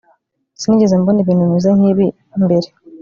sinigeze mbona ibintu bimeze nkibi mbere